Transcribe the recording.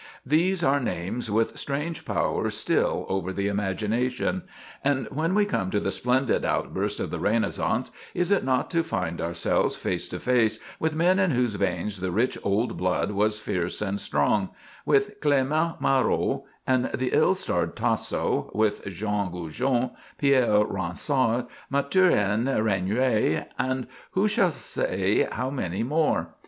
These are names with strange power still over the imagination. And, when we come to the splendid outburst of the Renaissance, is it not to find ourselves face to face with men in whose veins the rich old blood was fierce and strong, with Clément Marot, and the ill starred Tasso, with Jean Goujon, Pierre Ronsard, Mathurin Regnier, and who shall say how many more?